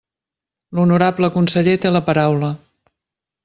L'honorable conseller té la paraula.